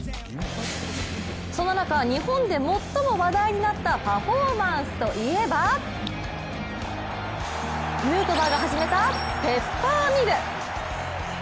そんな中、日本で最も話題になったパフォーマンスといえば、ヌートバーが始めたペッパーミル。